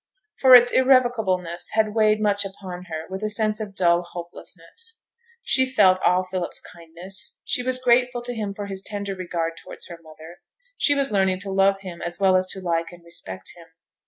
For its irrevocableness had weighed much upon her with a sense of dull hopelessness; she felt all Philip's kindness, she was grateful to him for his tender regard towards her mother, she was learning to love him as well as to like and respect him.